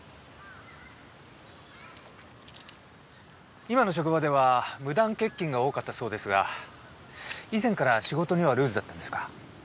今の職場では無断欠勤が多かったそうですが以前から仕事にはルーズだったんですか？